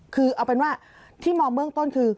คือเอาเป็นว่าที่มองเบื้องต้นคือ